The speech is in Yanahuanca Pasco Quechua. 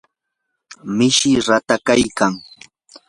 mishii ratakyaykan.